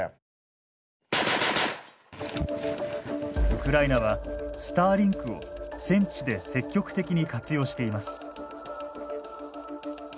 ウクライナはスターリンクを戦地で積極的に活用しています。